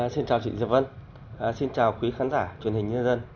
xin chào chị diệp vân xin chào quý khán giả truyền hình nhân dân